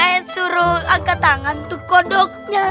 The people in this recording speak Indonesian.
saya suruh angkat tangan tuh kodoknya